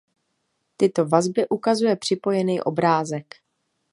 Tyto vazby ukazuje připojený obrázek.